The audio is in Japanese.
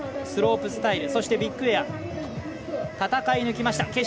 スロープスタイルそしてビッグエア戦い抜きました。